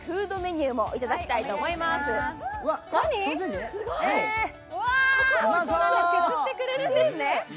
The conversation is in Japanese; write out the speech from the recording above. チーズを削ってくれるんですね。